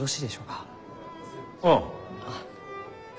ああ。